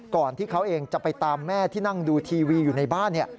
ก่อนที่เขาเองจะไปตามแม่ที่นั่งดูทีวีอยู่ในบ้าน